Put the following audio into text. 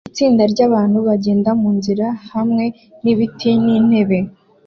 Itsinda ryabantu bagenda munzira hamwe nibiti n'intebe